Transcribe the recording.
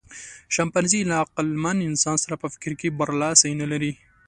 شامپانزي له عقلمن انسان سره په فکر کې برلاسی نهلري.